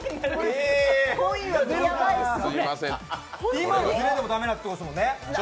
今のディレイでも駄目だってことですもんね。